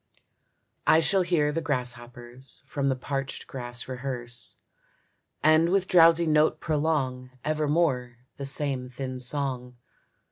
I shall hear the grasshoppers From the parched grass rehearse, And with drowsy note prolong Evermore the same thin song.